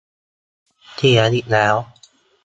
เสียอีกแล้ว